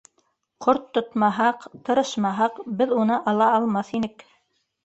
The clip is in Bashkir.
Ҡорт тотмаһаҡ, тырышмаһаҡ, беҙ уны ала алмаҫ инек.